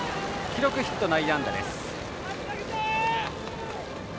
記録ヒット、内野安打です。